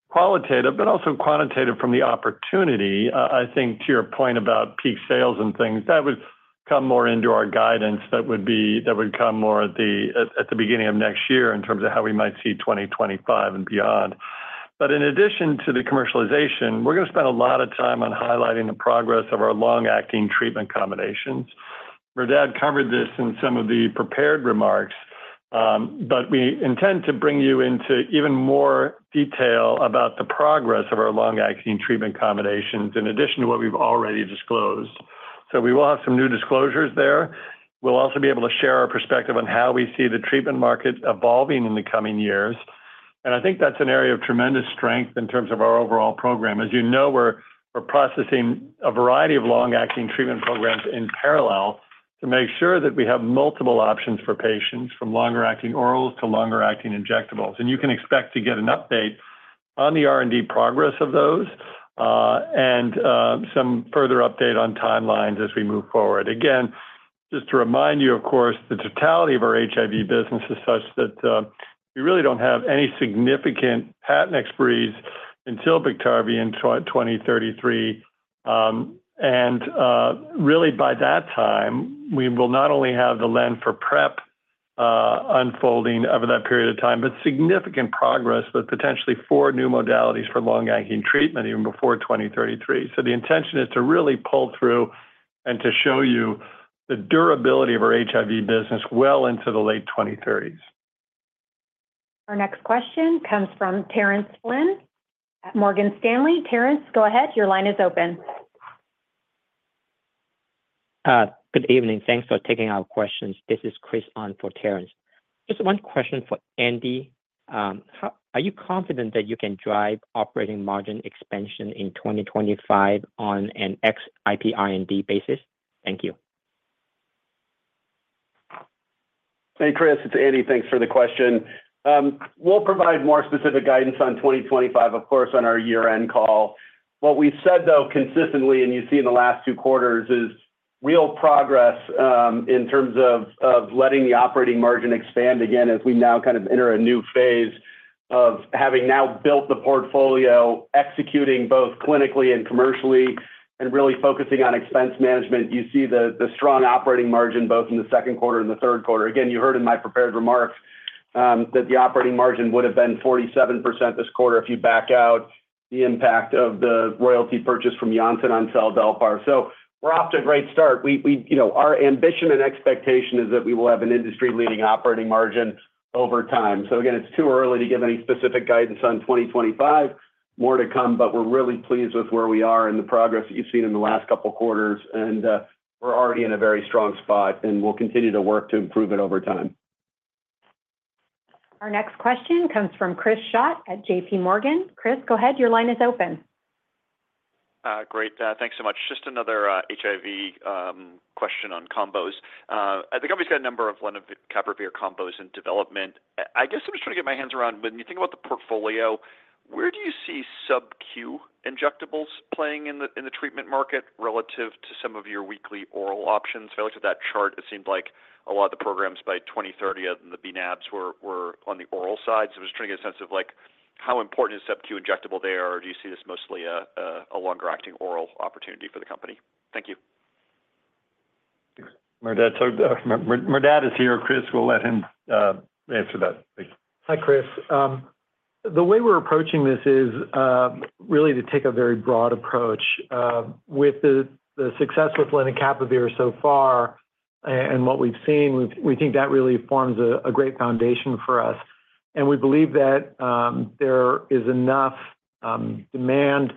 qualitative, but also quantitative from the opportunity, I think, to your point about peak sales and things. That would come more into our guidance that would come more at the beginning of next year in terms of how we might see 2025 and beyond. In addition to the commercialization, we're going to spend a lot of time on highlighting the progress of our long-acting treatment combinations. Merdad covered this in some of the prepared remarks, but we intend to bring you into even more detail about the progress of our long-acting treatment combinations in addition to what we've already disclosed. So we will have some new disclosures there. We'll also be able to share our perspective on how we see the treatment market evolving in the coming years. And I think that's an area of tremendous strength in terms of our overall program. As you know, we're pursuing a variety of long-acting treatment programs in parallel to make sure that we have multiple options for patients from longer-acting orals to longer-acting injectables. And you can expect to get an update on the R&D progress of those and some further update on timelines as we move forward. Again, just to remind you, of course, the totality of our HIV business is such that we really don't have any significant patent exclusivity until Biktarvy in 2033. And really, by that time, we will not only have lenacapavir for PrEP unfolding over that period of time, but significant progress with potentially four new modalities for long-acting treatment even before 2033. So the intention is to really pull through and to show you the durability of our HIV business well into the late 2030s. Our next question comes from Terence Flynn at Morgan Stanley. Terence, go ahead. Your line is open. Good evening. Thanks for taking our questions. This is Chris Ahn for Terence. Just one question for Andy. Are you confident that you can drive operating margin expansion in 2025 on an ex-IPR&D basis? Thank you. Hey, Chris. It's Andy. Thanks for the question. We'll provide more specific guidance on 2025, of course, on our year-end call. What we've said, though, consistently, and you see in the last two quarters, is real progress in terms of letting the operating margin expand again as we now kind of enter a new phase of having now built the portfolio, executing both clinically and commercially, and really focusing on expense management. You see the strong operating margin both in the second quarter and the third quarter. Again, you heard in my prepared remarks that the operating margin would have been 47% this quarter if you back out the impact of the royalty purchase from Janssen on seladelpar. So we're off to a great start. Our ambition and expectation is that we will have an industry-leading operating margin over time. So again, it's too early to give any specific guidance on 2025. More to come, but we're really pleased with where we are and the progress that you've seen in the last couple of quarters. We're already in a very strong spot, and we'll continue to work to improve it over time. Our next question comes from Chris Schott at JPMorgan. Chris, go ahead. Your line is open. Great. Thanks so much. Just another HIV question on combos. The company's got a number of lenacapavir combos in development. I guess I'm just trying to get my head around. When you think about the portfolio, where do you see sub-Q injectables playing in the treatment market relative to some of your weekly oral options? I looked at that chart. It seemed like a lot of the programs by 2030 and the bNAbs were on the oral side. So I was trying to get a sense of how important is sub-Q injectable there? Or do you see this mostly a longer-acting oral opportunity for the company? Thank you. Merdad is here. Chris, we'll let him answer that. Hi, Chris. The way we're approaching this is really to take a very broad approach. With the success with lenacapavir so far and what we've seen, we think that really forms a great foundation for us. And we believe that there is enough demand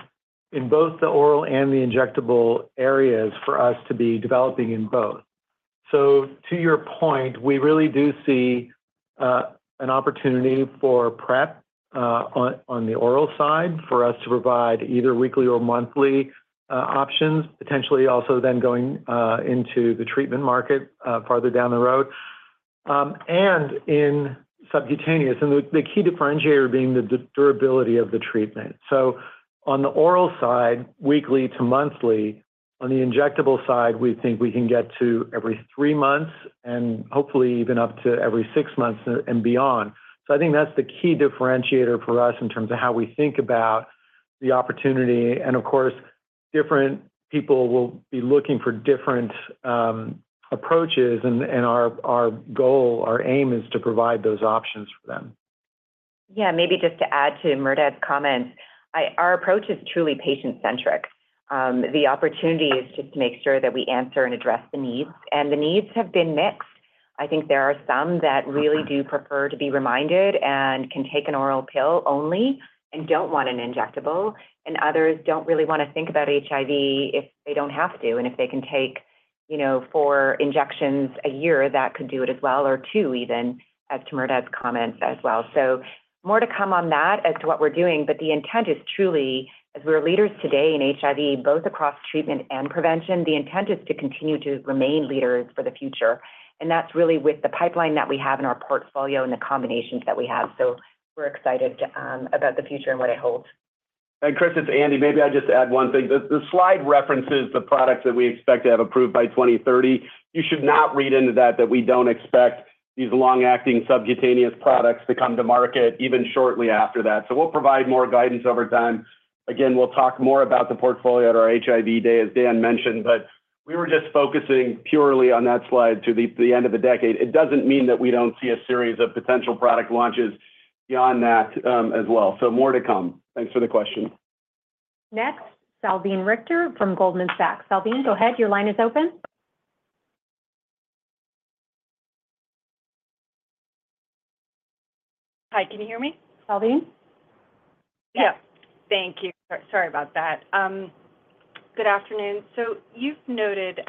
in both the oral and the injectable areas for us to be developing in both. So to your point, we really do see an opportunity for PrEP on the oral side for us to provide either weekly or monthly options, potentially also then going into the treatment market farther down the road, and in subcutaneous, and the key differentiator being the durability of the treatment. So on the oral side, weekly to monthly. On the injectable side, we think we can get to every three months and hopefully even up to every six months and beyond. So I think that's the key differentiator for us in terms of how we think about the opportunity. And of course, different people will be looking for different approaches. And our goal, our aim is to provide those options for them. Yeah. Maybe just to add to Merdad's comments, our approach is truly patient-centric. The opportunity is just to make sure that we answer and address the needs. And the needs have been mixed. I think there are some that really do prefer to be reminded and can take an oral pill only and don't want an injectable, and others don't really want to think about HIV if they don't have to. If they can take four injections a year, that could do it as well, or two even, as to Merdad's comments as well. So more to come on that as to what we're doing. But the intent is truly, as we're leaders today in HIV, both across treatment and prevention, the intent is to continue to remain leaders for the future. And that's really with the pipeline that we have in our portfolio and the combinations that we have. So we're excited about the future and what it holds. And Chris, it's Andy. Maybe I'll just add one thing. The slide references the products that we expect to have approved by 2030. You should not read into that that we don't expect these long-acting subcutaneous products to come to market even shortly after that. So we'll provide more guidance over time. Again, we'll talk more about the portfolio at our HIV day, as Dan mentioned, but we were just focusing purely on that slide to the end of the decade. It doesn't mean that we don't see a series of potential product launches beyond that as well. So more to come. Thanks for the question. Next, Salveen Richter from Goldman Sachs. Salveen, go ahead. Your line is open. Hi. Can you hear me? Salveen? Yes. Thank you. Sorry about that. Good afternoon. So you've noted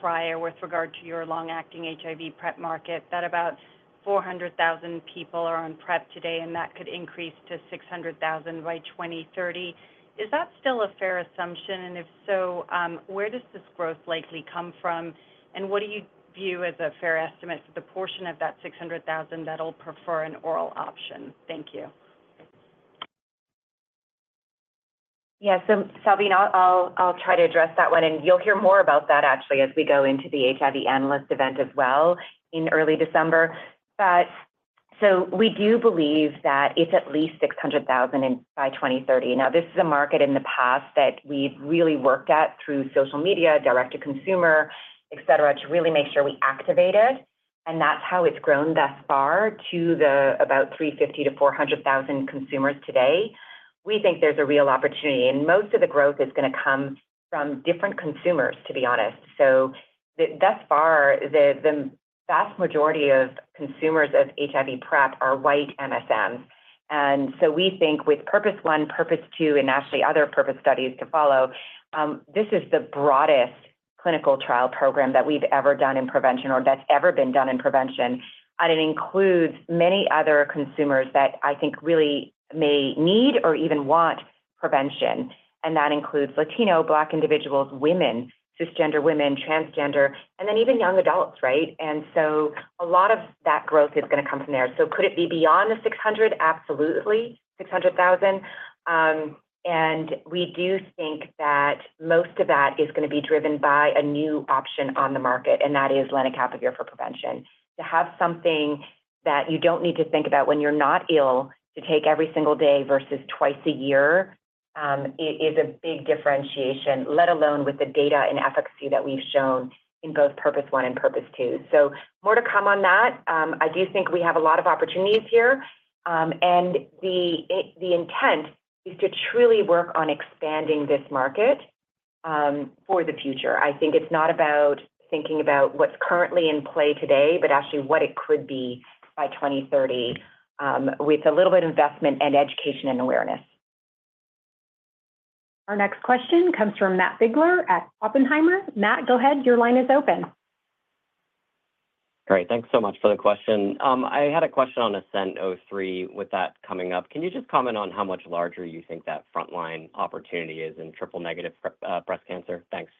prior with regard to your long-acting HIV PrEP market that about 400,000 people are on PrEP today, and that could increase to 600,000 by 2030. Is that still a fair assumption? And if so, where does this growth likely come from? And what do you view as a fair estimate for the portion of that 600,000 that'll prefer an oral option? Thank you. Yeah. Salveen, I'll try to address that one. You'll hear more about that, actually, as we go into the HIV analyst event as well in early December. We do believe that it's at least 600,000 by 2030. This is a market in the past that we've really worked at through social media, direct-to-consumer, etc., to really make sure we activate it. That's how it's grown thus far to about 350,000-400,000 consumers today. We think there's a real opportunity. Most of the growth is going to come from different consumers, to be honest. Thus far, the vast majority of consumers of HIV PrEP are white MSMs. We think with Purpose 1, Purpose 2, and actually other Purpose studies to follow, this is the broadest clinical trial program that we've ever done in prevention or that's ever been done in prevention. And it includes many other consumers that I think really may need or even want prevention. And that includes Latino, Black individuals, women, cisgender women, transgender, and then even young adults, right? And so a lot of that growth is going to come from there. So could it be beyond the 600? Absolutely, 600,000. And we do think that most of that is going to be driven by a new option on the market, and that is lenacapavir for prevention. To have something that you don't need to think about when you're not ill to take every single day versus twice a year is a big differentiation, let alone with the data and efficacy that we've shown in both Purpose 1 and Purpose 2. So more to come on that. I do think we have a lot of opportunities here. And the intent is to truly work on expanding this market for the future. I think it's not about thinking about what's currently in play today, but actually what it could be by 2030 with a little bit of investment and education and awareness. Our next question comes from Matt Biegler at Oppenheimer. Matt, go ahead. Your line is open. Great. Thanks so much for the question. I had a question on ASCENT-03 with that coming up. Can you just comment on how much larger you think that frontline opportunity is in triple-negative breast cancer? Thanks.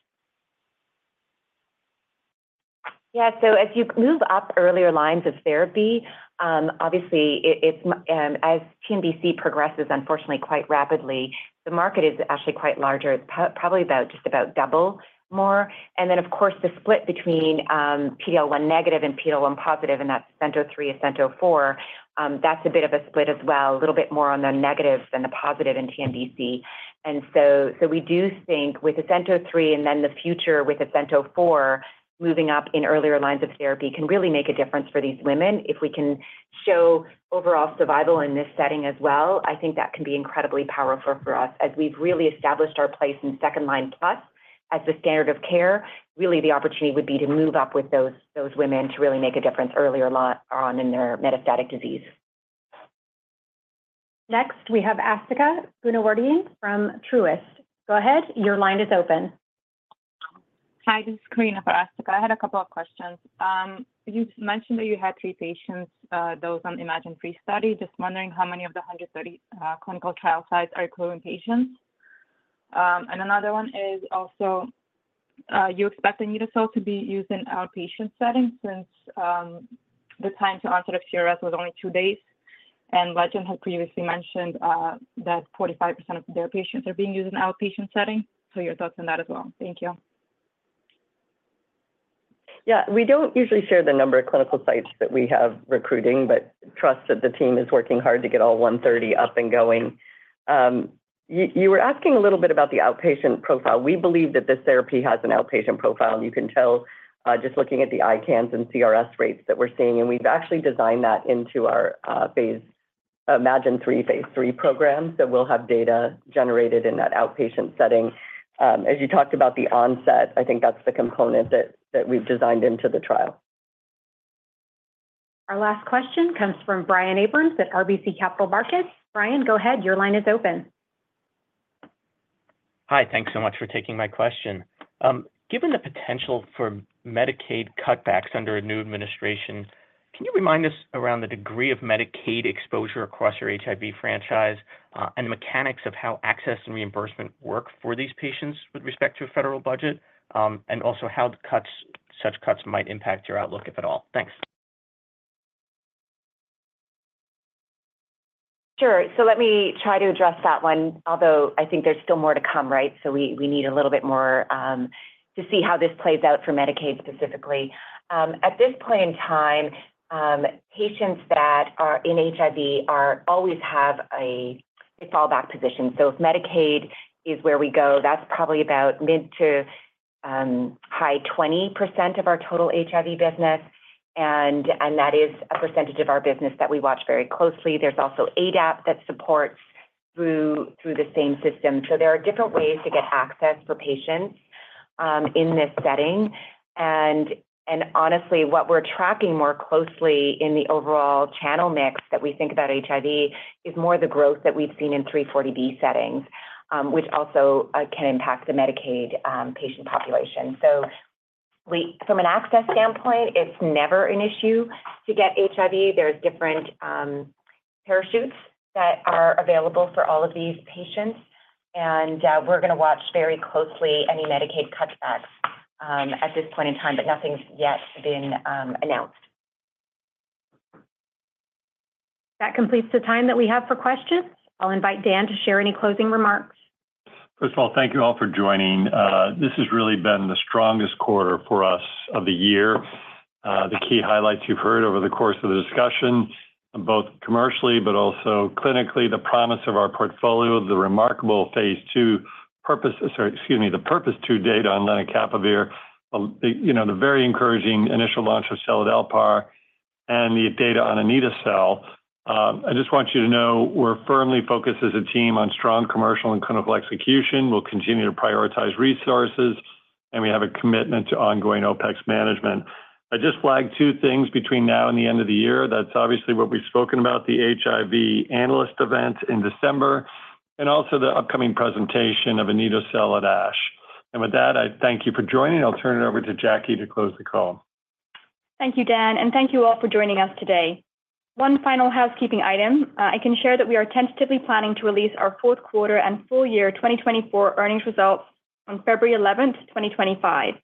Yeah. So as you move up earlier lines of therapy, obviously, as TNBC progresses, unfortunately, quite rapidly, the market is actually quite larger. It's probably just about double more. And then, of course, the split between PD-L1 negative and PD-L1 positive in that ASCENT-03, ASCENT-04, that's a bit of a split as well, a little bit more on the negatives than the positive in TNBC. And so we do think with ASCENT-03 and then the future with ASCENT-04 moving up in earlier lines of therapy can really make a difference for these women. If we can show overall survival in this setting as well, I think that can be incredibly powerful for us as we've really established our place in second-line plus as the standard of care. Really, the opportunity would be to move up with those women to really make a difference earlier on in their metastatic disease. Next, we have Asthika Goonewardene from Truist. Go ahead. Your line is open. Hi. This is Karina for Asthika. I had a couple of questions. You mentioned that you had three patients, those on imatinib pre-study. Just wondering how many of the 130 clinical trial sites are accruing patients. And another one is also you expect the anito-cel to be used in outpatient settings since the time to onset of CRS was only two days. And Legend had previously mentioned that 45% of their patients are being used in outpatient setting. So your thoughts on that as well. Thank you. Yeah. We don't usually share the number of clinical sites that we have recruiting, but trust that the team is working hard to get all 130 up and going. You were asking a little bit about the outpatient profile. We believe that this therapy has an outpatient profile. You can tell just looking at the ICANS and CRS rates that we're seeing. And we've actually designed that into our iMMagine-3 phase 3 program. We'll have data generated in that outpatient setting. As you talked about the onset, I think that's the component that we've designed into the trial. Our last question comes from Brian Abrahams at RBC Capital Markets. Brian, go ahead. Your line is open. Hi. Thanks so much for taking my question. Given the potential for Medicaid cutbacks under a new administration, can you remind us around the degree of Medicaid exposure across your HIV franchise and the mechanics of how access and reimbursement work for these patients with respect to a federal budget, and also how such cuts might impact your outlook, if at all? Thanks. Sure. So let me try to address that one, although I think there's still more to come, right? So we need a little bit more to see how this plays out for Medicaid specifically. At this point in time, patients that are in HIV always have a fallback position. So if Medicaid is where we go, that's probably about mid- to high 20% of our total HIV business. And that is a percentage of our business that we watch very closely. There's also ADAP that supports through the same system. So there are different ways to get access for patients in this setting. And honestly, what we're tracking more closely in the overall channel mix that we think about HIV is more the growth that we've seen in 340B settings, which also can impact the Medicaid patient population. So from an access standpoint, it's never an issue to get HIV. There are different parachutes that are available for all of these patients. And we're going to watch very closely any Medicaid cutbacks at this point in time, but nothing's yet been announced. That completes the time that we have for questions. I'll invite Dan to share any closing remarks. First of all, thank you all for joining. This has really been the strongest quarter for us of the year. The key highlights you've heard over the course of the discussion, both commercially but also clinically, the promise of our portfolio, the remarkable phase 2 PURPOSE—sorry, excuse me—the PURPOSE 2 data on lenacapavir, the very encouraging initial launch of seladelpar, and the data on anito-cel. I just want you to know we're firmly focused as a team on strong commercial and clinical execution. We'll continue to prioritize resources, and we have a commitment to ongoing OPEX management. I just flagged two things between now and the end of the year. That's obviously what we've spoken about, the HIV analyst event in December, and also the upcoming presentation of anito-cel at ASH. With that, I thank you for joining. I'll turn it over to Jackie to close the call. Thank you, Dan. And thank you all for joining us today. One final housekeeping item. I can share that we are tentatively planning to release our fourth quarter and full year 2024 earnings results on February 11th, 2025.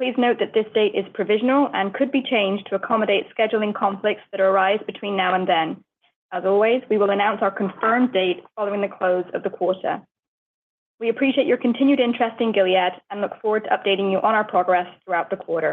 Please note that this date is provisional and could be changed to accommodate scheduling conflicts that arise between now and then. As always, we will announce our confirmed date following the close of the quarter. We appreciate your continued interest in Gilead and look forward to updating you on our progress throughout the quarter.